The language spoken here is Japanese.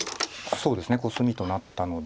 そうですねコスミとなったので。